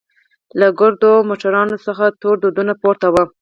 له ګردو موټرانو څخه تور دودونه پورته وو.